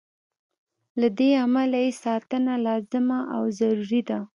له دې امله یې ساتنه لازمه او ضروري ده.